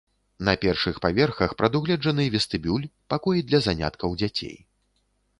На першых паверхах прадугледжаны вестыбюль, пакой для заняткаў дзяцей.